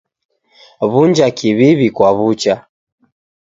W'unja kiwiwi kwa w'ucha.